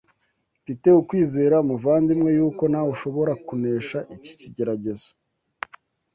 Mfite ukwizera, muvandimwe, yuko nawe ushobora kunesha iki kigeragezo,